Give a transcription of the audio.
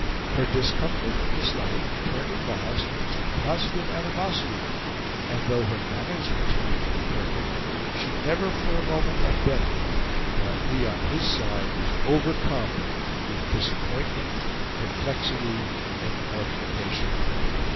Her discomfort and dislike turned at last into positive animosity, and, though her manners continued to be perfect, she never for a moment unbent; while he on his side was overcome with disappointment, perplexity, and mortification.